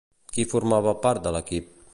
Qui formava part de l'equip?